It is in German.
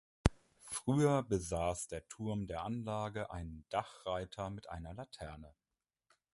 Früher besaß der Turm der Anlage einen Dachreiter mit einer Laterne.